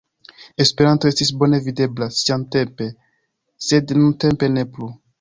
Esperanto estis bone videbla siatempe, sed nuntempe ne plu.